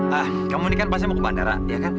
ah kamu ini kan pasti mau ke bandara ya kan